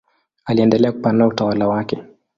Aliendelea kupanua utawala wake.